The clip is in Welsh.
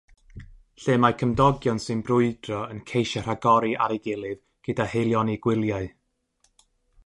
Lle mae cymdogion sy'n brwydro yn ceisio rhagori ar ei gilydd gyda haelioni gwyliau.